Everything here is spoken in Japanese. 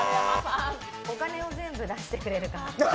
お金を全部出してくれるから。